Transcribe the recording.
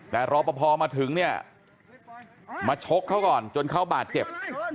แต่รอปภมาถึงเนี่ยมาชกเขาก่อนจนเขาบาดเจ็บ